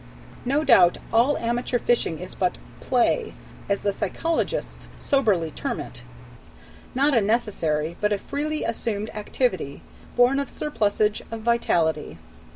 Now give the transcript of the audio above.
No doubt all amateur fishing is but "play," as the psychologists soberly term it: not a necessary, but a freely assumed activity, born of surplusage of vitality.